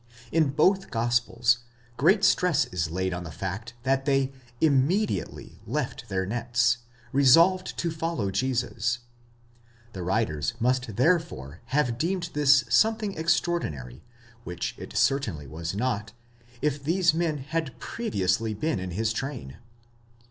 In both Gospels, great stress is laid on the fact that they zmmediately εὐθέως left their nets, resolved to follow Jesus: the writers must therefore have deemed this something extraordinary, which it certainly was not, if these men had pre viously been in his train.